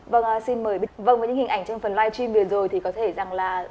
vâng và những hình ảnh trong phần live stream vừa rồi thì có thể rằng là